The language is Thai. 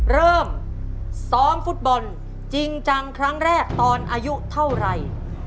เริ่มซ้อมฟุตบอลจริงจังครั้งแรกตอนอายุเท่าไหร่